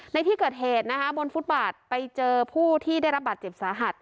ในที่เกิดเหตุนะคะบนฟุตบาทไปเจอผู้ที่ได้รับบาดเจ็บสาหัส